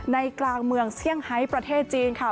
กลางเมืองเซี่ยงไฮประเทศจีนค่ะ